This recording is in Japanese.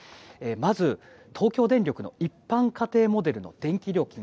まず、東京電力の一般家庭モデルの電気料金。